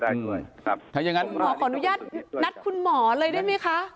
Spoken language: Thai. รีบีประพูดคุณหมอ